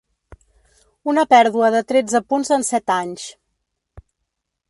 Una pèrdua de tretze punts en set anys.